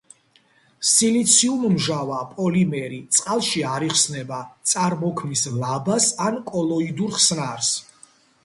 სილიციუმმჟავა პოლიმერი, წყალში არ იხსნება, წარმოქმნის ლაბას ან კოლოიდურ ხსნარს.